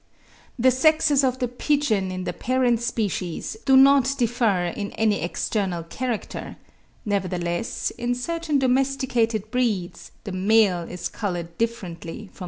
The sexes of the pigeon in the parent species do not differ in any external character; nevertheless, in certain domesticated breeds the male is coloured differently from the female.